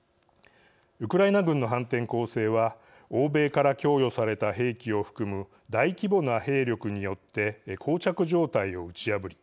ウクライナ軍の反転攻勢は欧米から供与された兵器を含む大規模な兵力によってこう着状態を打ち破り